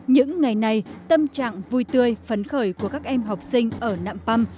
những ngày này tâm trạng vui tươi phấn khởi của các em học sinh ở nạm păm